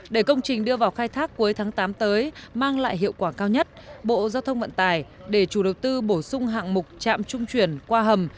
để công trình đưa vào khai thác cuối tháng tám tới mang lại hiệu quả cao nhất bộ giao thông vận tải để chủ đầu tư bổ sung hạng mục chạm trung chuyển qua hầm